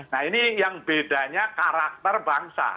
nah ini yang bedanya karakter bangsa